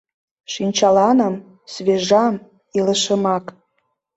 Шинчаланым, свежам, илышымак.